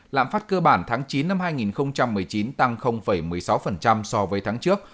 lạm phát cơ bản tháng chín năm hai nghìn một mươi chín tăng một mươi sáu so với tháng trước